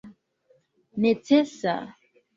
necesa